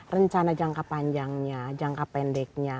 rencana jangka panjangnya jangka pendeknya